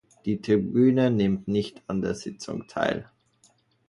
Die Tribüne nimmt nicht an der Sitzung teil.